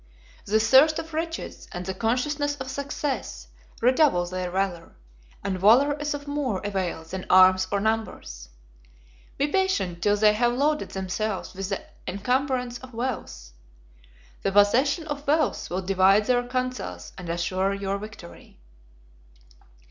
The thirst of riches, and the consciousness of success, redouble their valor, and valor is of more avail than arms or numbers. Be patient till they have loaded themselves with the encumbrance of wealth. The possession of wealth will divide their councils and assure your victory."